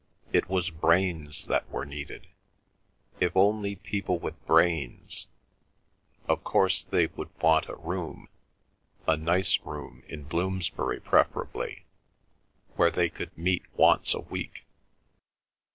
It was brains that were needed. If only people with brains—of course they would want a room, a nice room, in Bloomsbury preferably, where they could meet once a week.